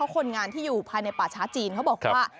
คนงานที่อยู่ภายในป่าช้าจีนเขาบอกว่า